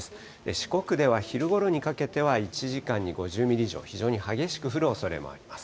四国では昼ごろにかけては１時間に５０ミリ以上、非常に激しく降るおそれもあります。